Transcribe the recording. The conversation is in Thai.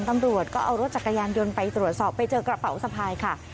ตำรวจก็เอารถจักรยานยนต์ไปตรวจสอบไปเจอกระเป๋าสะพายค่ะ